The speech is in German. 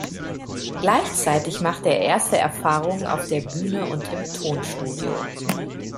Gleichzeitig machte er erste Erfahrungen auf der Bühne und im Tonstudio.